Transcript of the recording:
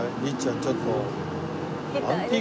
律ちゃんちょっと。